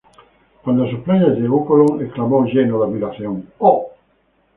Cuando a sus playas llegó Colón exclamó, lleno de admiración: